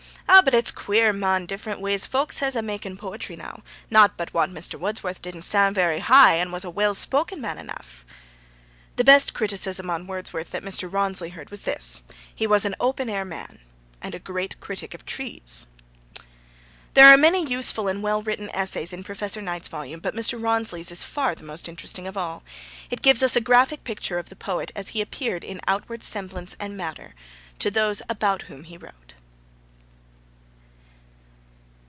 Eh, but it's queer, mon, different ways folks hes of making potry now ... Not but what Mr. Wudsworth didn't stand very high, and was a well spoken man enough.' The best criticism on Wordsworth that Mr. Rawnsley heard was this: 'He was an open air man, and a great critic of trees.' There are many useful and well written essays in Professor Knight's volume, but Mr. Rawnsley's is far the most interesting of all. It gives us a graphic picture of the poet as he appeared in outward semblance and manner to those about whom he wrote.